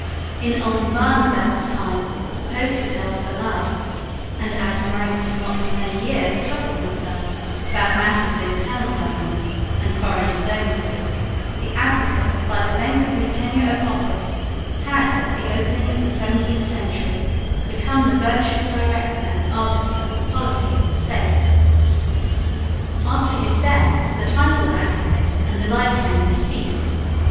In Oldenbarneveldt's time the post was held for life; and, as Maurice did not for many years trouble himself about matters of internal government and foreign diplomacy, the Advocate by the length of his tenure of office had at the opening of the 17th century become the virtual director and arbiter of the policy of the State. After his death the title of advocate and the life tenure ceased.